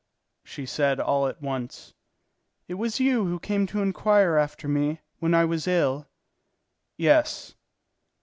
"So," said she all at once, "it was you who came to inquire after me when I was ill?" "Yes."